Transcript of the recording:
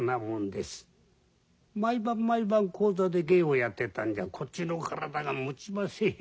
毎晩毎晩高座で芸をやってたんじゃこっちの体がもちませんや」